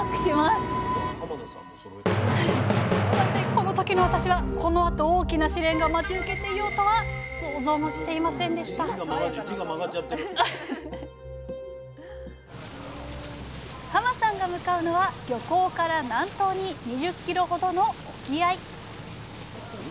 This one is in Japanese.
この時の私はこのあと大きな試練が待ち受けていようとは想像もしていませんでしたさんが向かうのは漁港から南東に２０ｋｍほどの沖合。